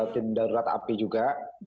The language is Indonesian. tinderat api juga